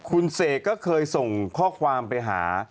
คุณเสกก็เคยส่งข้อความไปหา